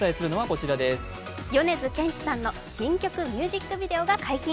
米津玄師さんの新曲ビデオミュージックが解禁。